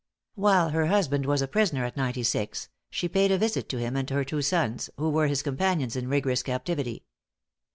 While her husband was a prisoner at Ninety Six, she paid a visit to him and her two sons, who were his companions in rigorous captivity.